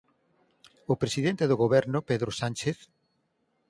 O presidente do Goberno, Pedro Sánchez